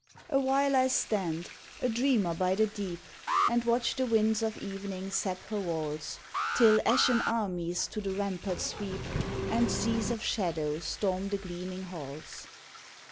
Awhile I stand, a dreamer by the deep, And watch the winds of evening sap her walls, Till ashen armies to the ramparts sweep And seas of shadow storm the gleaming halls.